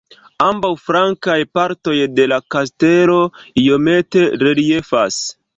Ambaŭ flankaj partoj de la kastelo iomete reliefas.